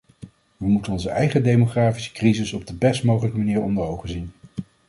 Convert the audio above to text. We moeten onze eigen, demografische crisis op de best mogelijke manier onder ogen zien.